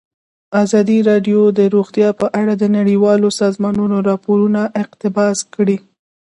ازادي راډیو د روغتیا په اړه د نړیوالو سازمانونو راپورونه اقتباس کړي.